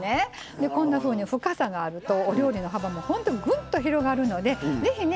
でこんなふうに深さがあるとお料理の幅もほんとぐんと広がるので是非ね